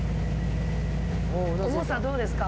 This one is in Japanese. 重さどうですか？